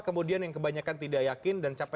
kemudian yang kebanyakan tidak yakin dan capek